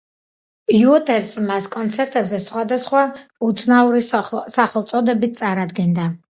უოტერსი მას კონცერტებზე სხვადასხვა უცნაური სახელწოდებით წარადგენდა.